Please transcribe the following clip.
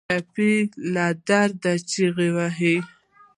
ټپي له درد چیغې وهي.